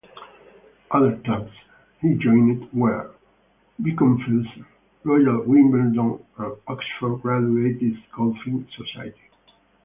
Other clubs he joined were Beaconsfield, Royal Wimbledon and Oxford Graduates' Golfing Society.